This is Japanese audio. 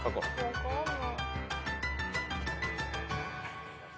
分かんない。